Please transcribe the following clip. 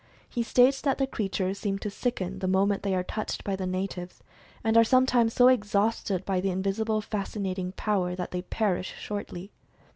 He states that the creatures seem to sicken the moment they are touched by these natives, and are sometimes so exhausted by the invisible fascinating power that they perish shortly.